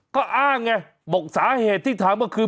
ก็อ้างนี่บอกสาเหตุที่ทำก็คือ